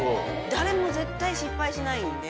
誰も絶対失敗しないんで。